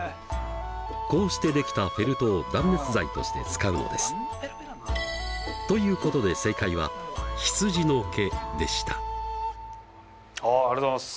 こうして出来たフェルトを断熱材として使うのです。ということではいありがとうございます。